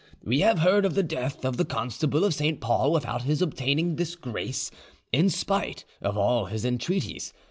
We have heard of the death of the constable of Saint Paul without his obtaining this grace, in spite of all his entreaties.